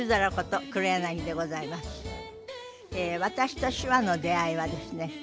私と手話の出会いはですね